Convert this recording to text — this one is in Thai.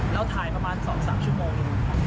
เราถ่ายประมาณสองสามชั่วโมงอยู่